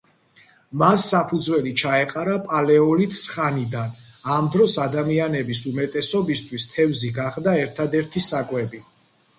მას საფუძველი ჩაეყარა პალეოლითს ხანიდან, ამ დროს ადამიანების უმეტესობისთვის თევზი გახდა ერთადერთი საკვები.